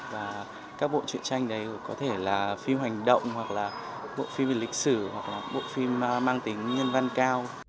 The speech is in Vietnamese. và các bộ truyện tranh đấy có thể là phim hành động hoặc là bộ phim về lịch sử hoặc là bộ phim mang tính nhân văn cao